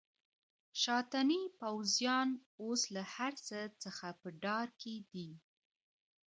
شاتني پوځیان اوس له هرڅه څخه په ډار کې دي.